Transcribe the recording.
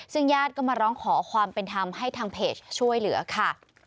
ซึ่งญาติก็มาร้องขอความเป็นธรรมให้ทางเพจช่วยเหลือค่ะ